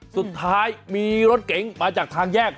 สุดท้ายมีรถเก๋งมาจากทางแยก